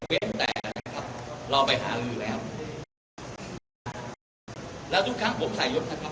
เป็นแต่นะครับเราไปหาลืออยู่แล้วแล้วทุกครั้งผมใส่ยศนะครับ